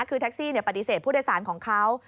คือแท็กซี่ปฏิเสธผู้โดยสารของเขา